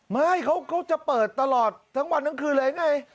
ไม่เขาจะเปิดตลอดทั้งวันทั้งคืนเลยไง